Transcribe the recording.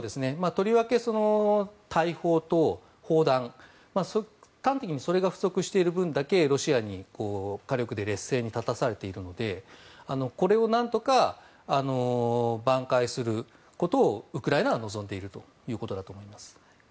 とりわけ大砲と砲弾端的にそれが不足している分だけロシアに火力で劣勢に立たされているのでこれをなんとかばん回することをウクライナは望んでいるということだと思います。